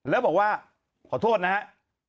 แล้วบอกว่าขอโทษนะครับ